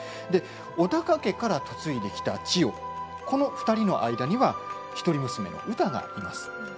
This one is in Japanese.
尾高家から嫁いできた千代この２人の間には一人娘のうたがいます。